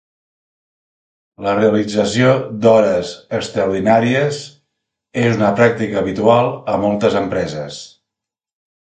La realització d'hores extraordinàries és una pràctica habitual a moltes empreses.